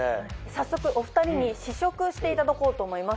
早速お２人に試食していただこうと思います。